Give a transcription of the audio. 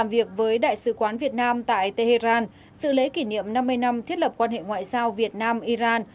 làm việc với đại sứ quán việt nam tại tehran sự lễ kỷ niệm năm mươi năm thiết lập quan hệ ngoại giao việt nam iran